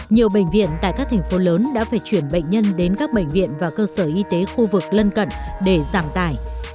nhiều bệnh viện tại các thành phố lớn đã phải chuyển bệnh nhân đến các bệnh viện và cơ sở y tế khu vực lân cận để giảm tải